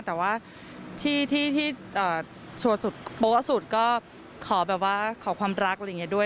แต่ว่าที่สุดก็ขอแบบว่าขอความรักอะไรอย่างนี้ด้วย